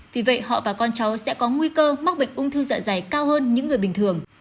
vì vậy họ và con cháu sẽ có nguy cơ mắc bệnh ung thư dạ dày cao hơn những người bình thường